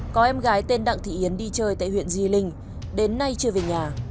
có em gái tên đặng thị yến đi chơi tại huyện di linh đến nay chưa về nhà